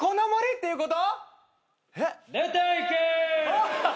おっ。